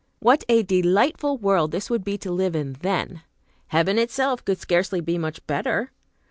What a delightful world this would be to live in then! Heaven itself could scarcely be much better!